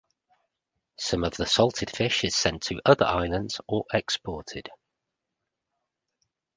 Some of the salted fish is sent to other islands or exported.